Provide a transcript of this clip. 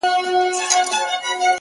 له مخلوقه يې جلا وه رواجونه-